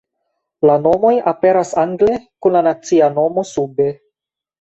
La nomoj aperas angle kun la nacia nomo sube.